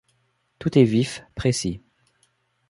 Tout est vif, précis.